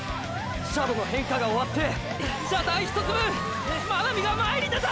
斜度の変化が終わって車体ひとつ分真波が前に出た！！